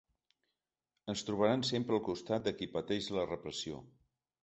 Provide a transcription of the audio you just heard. Ens trobaran sempre al costat de qui pateix la repressió.